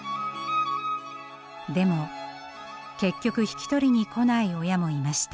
でも結局引き取りに来ない親もいました。